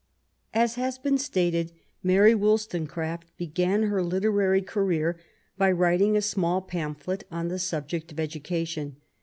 178a 1791. As has been stated^ Mary Wollstonecraft began her literary career by writing a small pamphlet on the subject of education.